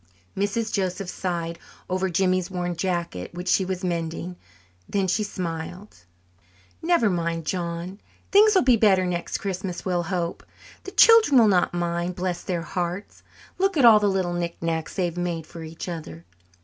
Mrs. Joseph sighed over Jimmy's worn jacket which she was mending. Then she smiled. "Never mind, John. Things will be better next Christmas, we'll hope. The children will not mind, bless their hearts. Look at all the little knick knacks they've made for each other.